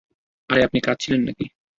আরে, আপনি কাঁদছিলেন নাকি?